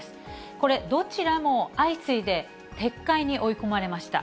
これ、どちらも相次いで撤回に追い込まれました。